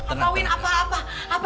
atau winn apa apa